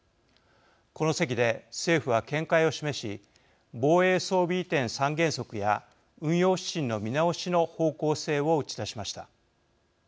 この席で政府は見解を示し防衛装備移転三原則や運用指針の見直しの方向性を打ち出しました。